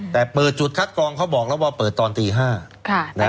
แต่เปิดจุดคัดกรองเขาบอกแล้วว่าเปิดตอนตี๕